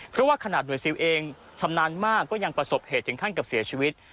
เพราะว่าขนาดหน่วยซิลเองชำนาญมากก็ยังประสบเหตุถึงขั้นกับเสียชีวิต